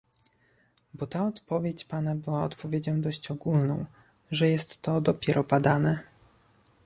Bo ta odpowiedź Pana była odpowiedzią dość ogólną, że jest to dopiero badane